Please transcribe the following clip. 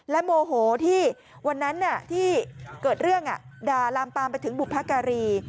โมโหที่วันนั้นที่เกิดเรื่องด่าลามปามไปถึงบุพการี